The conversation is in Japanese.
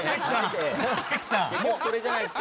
結局それじゃないですか。